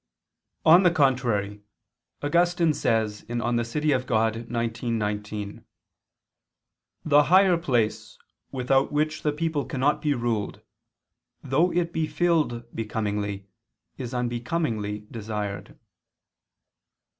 On the contrary, Augustine says (De Civ. Dei xix, 19): "The higher place, without which the people cannot be ruled, though it be filled becomingly, is unbecomingly desired."